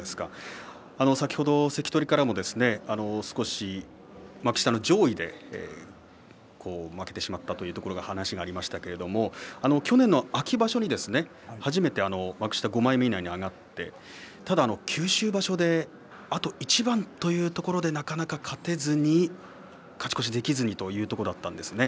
先ほど関取からも少し、幕下の上位で負けてしまったという話がありましたけれど去年の秋場所に初めて幕下５枚目以内に上がってただ九州場所であと一番というところでなかなか勝てずに勝ち越しができずにというところだったんですね。